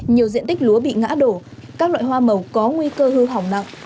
nhiều diện tích lúa bị ngã đổ các loại hoa màu có nguy cơ hư hỏng nặng